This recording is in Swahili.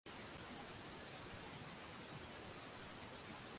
Kanisa lipo katika hali ya uimara kutokana na ustadi wa ujenzi uliofanywa enzi hizo